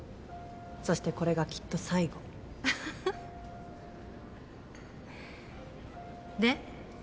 そしてこれがきっと最後アハハッで？